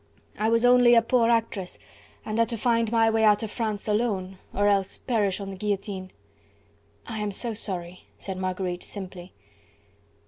I was only a poor actress and had to find my way out of France alone, or else perish on the guillotine." "I am so sorry!" said Marguerite simply.